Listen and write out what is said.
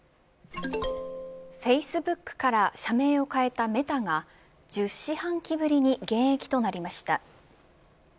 フェイスブックから社名を変えたメタが１０四半期ぶりに減益となりました。